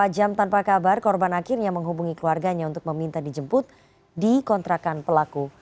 empat jam tanpa kabar korban akhirnya menghubungi keluarganya untuk meminta dijemput di kontrakan pelaku